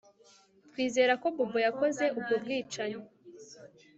Twizera ko Bobo yakoze ubwo bwicanyi